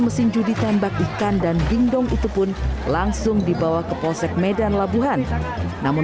mesin judi tembak ikan dan bingdong itu pun langsung dibawa ke polsek medan labuhan namun